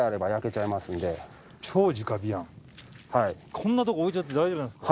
こんなとこ置いちゃって大丈夫なんですか？